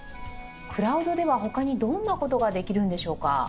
クラウドでは他にどんな事ができるんでしょうか？